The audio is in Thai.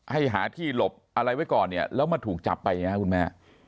ให้หาที่หลบอะไรไว้ก่อนเนี่ยแล้วมันถูกจับไปไงคุณแม่